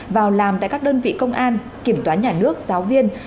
vào làm tại các đơn vị công an kiểm toán nhà nước giáo viên